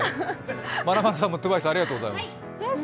まなまるさん、ＴＷＩＣＥ、ありがとうございました。